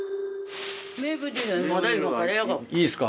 いいっすか。